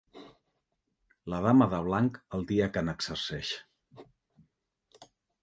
La dama de blanc el dia que n'exerceix.